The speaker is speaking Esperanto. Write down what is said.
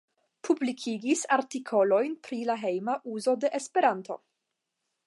Publikigis artikolojn pri la hejma uzo de Esperanto.